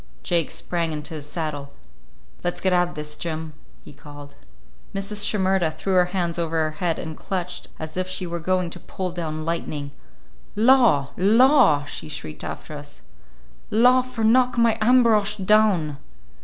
Jake sprang into his saddle. "Let's get out of this, Jim," he called. Mrs. Shimerda threw her hands over her head and clutched as if she were going to pull down lightning. "Law, law!" she shrieked after us. "Law for knock my Ambrosch down!"